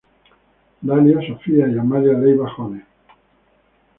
Dahlia, Sofia y Amalia Leyva Jones.